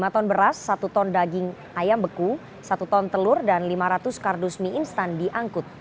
lima ton beras satu ton daging ayam beku satu ton telur dan lima ratus kardus mie instan diangkut